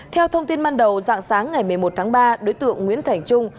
theo thông tin ban đầu dạng sáng ngày một mươi một tháng ba đối tượng nguyễn thành trung